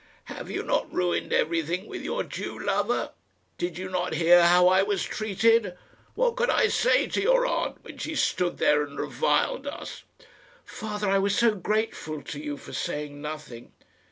"Have you not ruined everything with your Jew lover? Did you not hear how I was treated? What could I say to your aunt when she stood there and reviled us?" "Father, I was so grateful to you for saying nothing!"